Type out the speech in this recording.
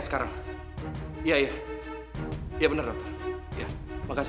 aku cuma pengen tahu aja